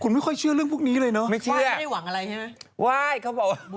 กูไม่เคยตามรอยมูนัยมานะ